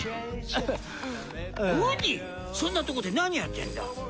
ウッディそんなとこで何やってんだ？